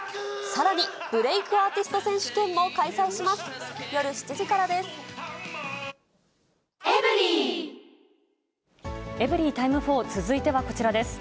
さらに、ブレイクアーティスト選手権も開催します。